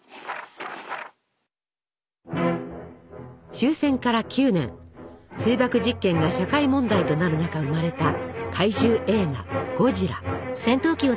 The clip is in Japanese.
終戦から９年水爆実験が社会問題となる中生まれた怪獣映画「ゴジラ」。